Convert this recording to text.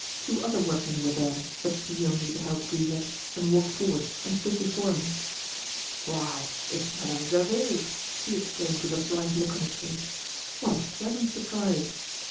Two other workmen were there, but she only beheld Goujet and walked forward and stood before him. "Why it's Madame Gervaise!" he exclaimed with a bright look on his face. "What a pleasant surprise."